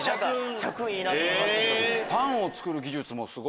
社訓いいなと思いました。